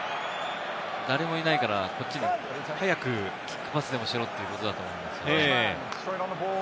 誰もいないからこっちに早くキックパスでもしろということでしょうね。